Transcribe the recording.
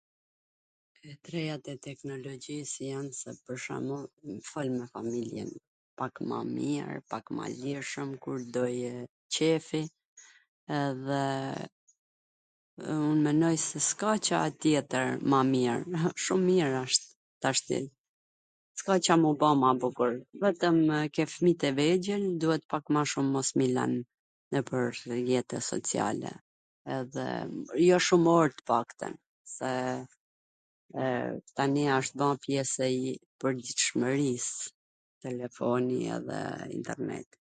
T rejat e teknologjis jan se pwr shwmbull fol me familjen, pak ma mir, pak ma lirshwm, kur do je qefii, edhe un menoj se s ka gja tjetwr ma mir, shum mir wsht tashti, s ka Ca m u ba ma bukur, vetwmw ke fmijt e vegjwl duhet pak ma shum mos me i lan nwpwr rrjete socjale, edhe jo shum or t paktwn, se tani asht ba pjes e je,, e pwrditshmwris telefoni edhe interneti.